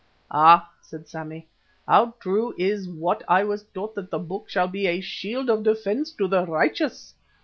"Ah!" said Sammy, "how true is what I was taught that the Book shall be a shield of defence to the righteous.